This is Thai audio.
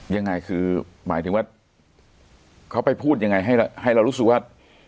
ยังไงคือหมายถึงว่าเขาไปพูดยังไงให้เรารู้สึกว่า